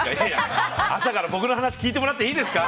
朝から僕の話聞いてもらっていいんですか？